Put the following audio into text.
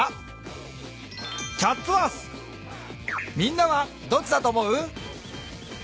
みんなはどっちだと思う？